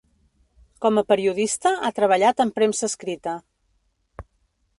Com a periodista ha treballat en premsa escrita.